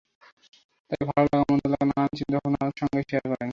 তাই ভালো লাগা, মন্দ লাগা, নানান চিন্তা-ভাবনা তার সঙ্গেই শেয়ার করেন।